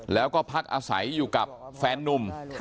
แล้วก็พักอาศัยอยู่กับแฟนนุ่ม